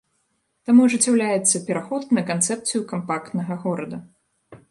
Таму ажыццяўляецца пераход на канцэпцыю кампактнага горада.